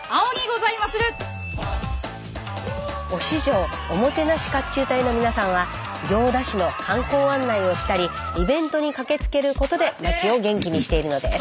忍城おもてなし甲冑隊の皆さんは行田市の観光案内をしたりイベントに駆けつけることで町を元気にしているのです。